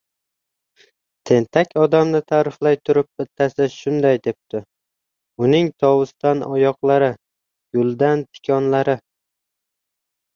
Tentak odamni ta’riflay turib bittasi shunday debdi: uning tovusdan — oyoqlari, guldan — tikonlari